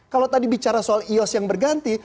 kalau tadi bicara soal ios yang berganti